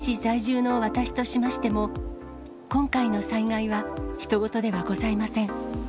熱海市在住の私としましても、今回の災害はひと事ではございません。